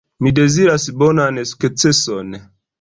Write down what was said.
Mi deziras bonan sukceson.